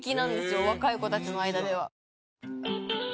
若い子たちの間では。